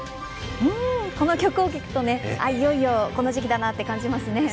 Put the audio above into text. この曲を聴くといよいよこの時期だなと感じますね。